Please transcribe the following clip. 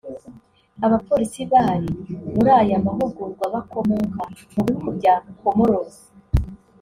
Abapolisi bari muri aya mahugurwa bakomoka mu bihugu bya Comoros